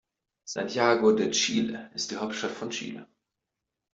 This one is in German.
Santiago de Chile ist die Hauptstadt von Chile.